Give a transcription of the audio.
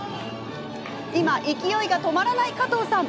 今、勢いが止まらない加藤さん。